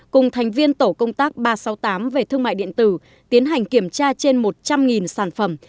cùng thành viên tổ công tác ba trăm sáu mươi tám về thương mại điện tử tiến hành kiểm tra trên một trăm linh sản phẩm